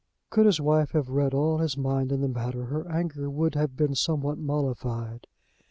Could his wife have read all his mind in the matter her anger would have been somewhat mollified.